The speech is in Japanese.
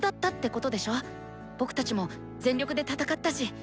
僕たちも全力で戦ったし。